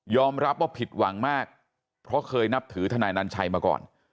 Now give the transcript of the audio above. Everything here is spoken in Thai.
รับว่าผิดหวังมากเพราะเคยนับถือทนายนันชัยมาก่อน